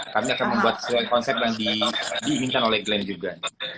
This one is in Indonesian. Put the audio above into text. kami akan membuat konsep yang diinginkan oleh glenn juga